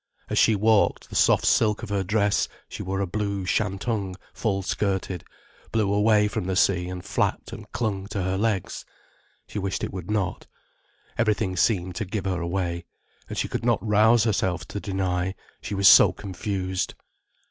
As she walked, the soft silk of her dress—she wore a blue shantung, full skirted—blew away from the sea and flapped and clung to her legs. She wished it would not. Everything seemed to give her away, and she could not rouse herself to deny, she was so confused.